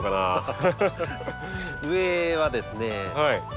上はですね